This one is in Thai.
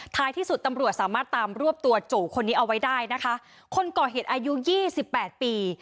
ท้ายที่สุดตำรวจสามารถตามรวบตัวโจคนนี้เอาไว้ได้นะคะคนก่อเหตุอายุยี่สิบแปดปี